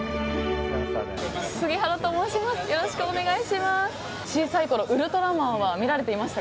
杉原と申します。